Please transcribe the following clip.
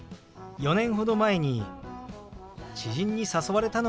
４年ほど前に知人に誘われたのがきっかけです。